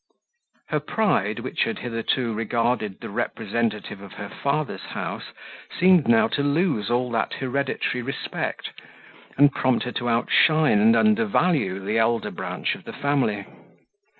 Her pride, which had hitherto regarded the representative of her father's house, seemed now to lose all that hereditary respect, and prompt her to outshine and undervalue the elder branch of her family.